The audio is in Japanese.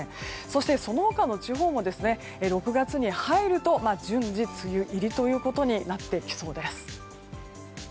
そして、その他の地方も６月に入ると順次、梅雨入りとなってきそうです。